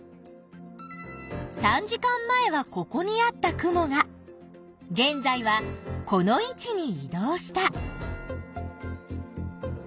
３時間前はここにあった雲が現在はこの位置にい動した。